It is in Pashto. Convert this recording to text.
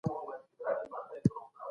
مشران چیري د بندیانو حقونه څاري؟